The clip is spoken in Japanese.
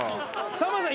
さんまさん